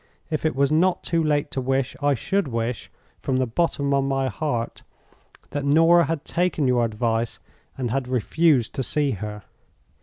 If it was not too late to wish, I should wish, from the bottom of my heart, that Norah had taken your advice, and had refused to see her.